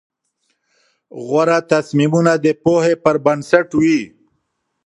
غوره تصمیمونه د پوهې پر بنسټ وي.